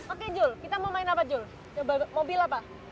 oke jul kita mau main apa jul coba mobil apa